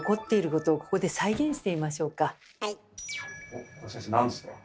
おっこれ先生なんですか？